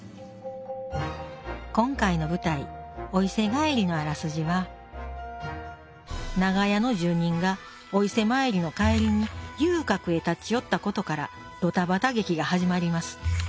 今回の舞台「お伊勢帰り」のあらすじは長屋の住人がお伊勢参りの帰りに遊郭へ立ち寄ったことからドタバタ劇が始まります。